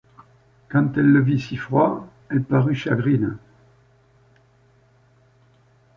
Quand elle le vit si froid, elle parut chagrine.